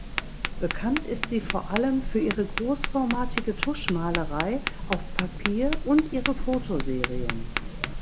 Bekannt ist sie vor allem für ihre großformatige Tuschmalerei auf Papier und ihre Fotoserien.